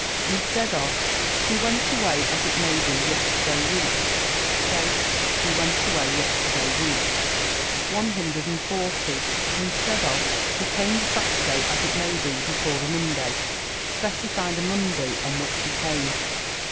Instead of "He went away as it may be yesterday week," say "He went away yesterday week." 140. Instead of "He came the Saturday as it may be before the Monday," specify the Monday on which he came.